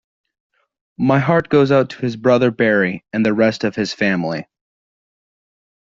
My heart goes out to his brother Barry and the rest of his family.